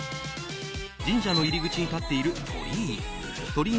神社の入り口に立っている鳥居。